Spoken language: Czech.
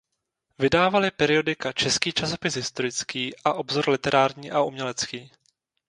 Vydávali periodika "Český časopis historický" a "Obzor literární a umělecký".